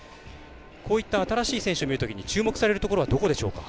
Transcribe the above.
こういった新しい選手を見るとき注目されるところはどこでしょうか？